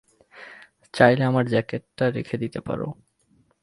চাইলে আমার জ্যাকেট রেখে দিতে পারো!